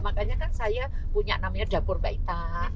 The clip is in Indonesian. makanya kan saya punya namanya dapur mbak itta